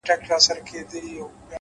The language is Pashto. پوه انسان د حقیقت پر لور روان وي؛